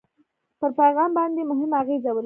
پر پیغام باندې مهمه اغېزه ولري.